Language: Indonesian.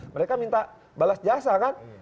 mereka minta balas jasa kan